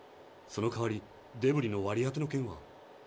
そのかわりデブリの割り当ての件は。